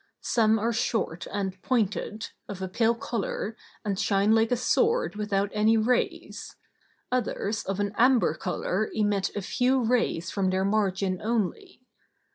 Some are short and pointed, of a pale color, and shine like a sword without any rays; others of an amber color emit a few rays from their margin only.